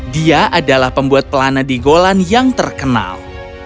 dia adalah pembuat pelana di golan yang terkenal